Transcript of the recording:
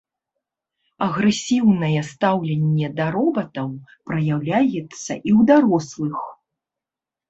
Агрэсіўнае стаўленне да робатаў праяўляецца і ў дарослых.